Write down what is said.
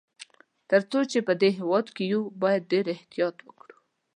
تر څو چي په دې هیواد کي یو، باید ډېر احتیاط وکړو.